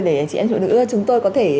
để chị em phụ nữ chúng tôi có thể